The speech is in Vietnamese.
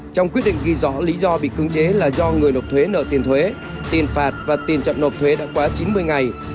trong quyết định ghi rõ lý do bị cưỡng chế là do người nộp thuế nợ tiền thuế tiền phạt và tiền chậm nộp thuế đã quá chín mươi ngày